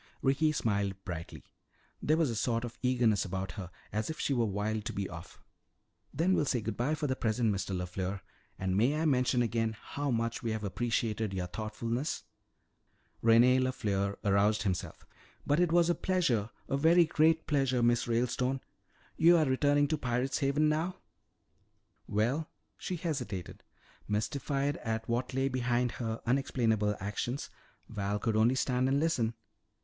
Ricky smiled brightly. There was a sort of eagerness about her, as if she were wild to be off. "Then we'll say good bye for the present, Mr. LeFleur. And may I mention again how much we have appreciated your thoughtfulness?" René LeFleur aroused himself. "But it was a pleasure, a very great pleasure, Miss Ralestone. You are returning to Pirate's Haven now?" "Well " she hesitated. Mystified at what lay behind her unexplainable actions, Val could only stand and listen.